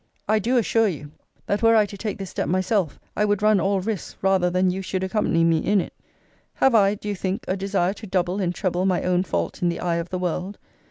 I do assure you, that were I to take this step myself, I would run all risks rather than you should accompany me in it. Have I, do you think, a desire to double and treble my own fault in the eye of the world?